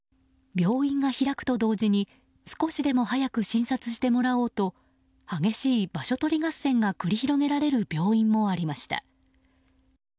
病院が開くと同時に少しでも早く診察してもらおうと激しい場所取り合戦が繰り広げられる病院もありました。